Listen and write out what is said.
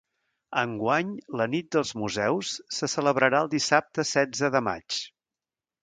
Enguany la Nit dels Museus se celebrarà el dissabte setze de maig.